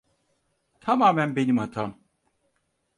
Tamamen benim hatam.